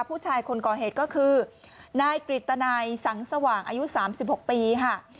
ผู้ชายคนก่อเหตุก็คือนายกฤตนัยสังสว่างอายุ๓๖ปีค่ะ